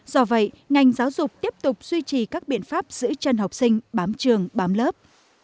do vậy ngành giáo dục tiếp tục duy trì các biện pháp giữ chân học sinh bám trường bám lớp